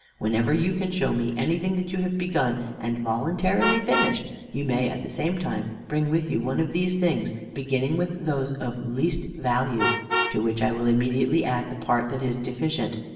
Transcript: Whenever you can show me anything that you have begun, and voluntarily finished, you may at the same time bring with you one of these things, beginning with those of least value, to which I will immediately add the part that is deficient.